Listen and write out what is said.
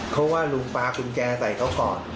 เขาว่าลุงปากุญจงแจใส่เขาก่อน